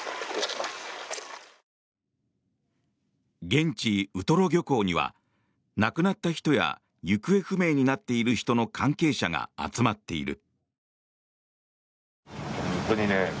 現地ウトロ漁港には亡くなった人や行方不明になっている人の関係者が集まっている。